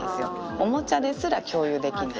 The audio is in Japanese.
おもちゃですら共有できない。